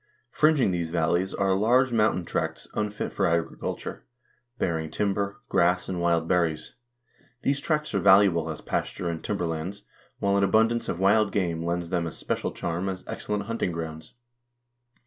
Fringing these valleys are large mountain tracts unfit for agriculture, bearing timber, grass, and wild berries. These tracts are valuable as pasture and timberlands, while an abun dance of wild game lends them a special charm as excellent hunting grounds.